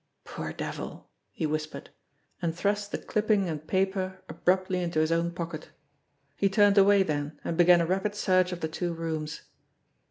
"Poor devil!" he whispered and thrust the clipping and paper abruptly into his own pocket. He turned away then, and began a rapid search of the two rooms.